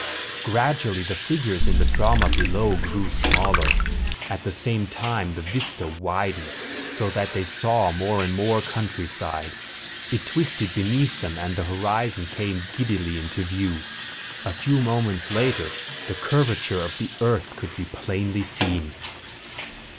Gradually, the figures in the drama below grew smaller. At the same time the vista widened, so that they saw more and more countryside. It twisted beneath them and the horizon came giddily into view. A few moments later the curvature of the earth could be plainly seen.